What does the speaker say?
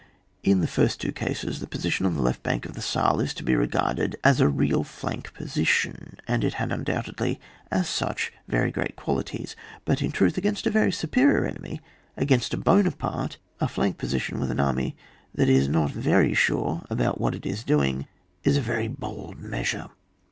In the two first cases, the position on the left bank of the Saale is to be re garded as a real flank position, and it had undoubtedly as such very great qualities; but in truth, against a very superior enemy, against a Buonaparte^ a flank position with an army that is not very sure about what it is doing, ie a very hold meaeure.